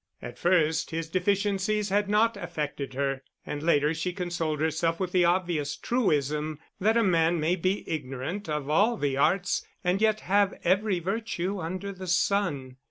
At first his deficiencies had not affected her, and later she consoled herself with the obvious truism that a man may be ignorant of all the arts, and yet have every virtue under the sun.